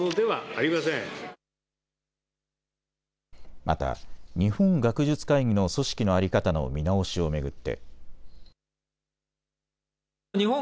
また、日本学術会議の組織の在り方の見直しを巡って。